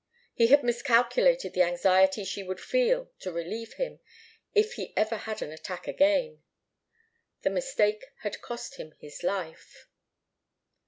He had miscalculated the anxiety she would feel to relieve him, if he ever had an attack again. The mistake had cost him his life.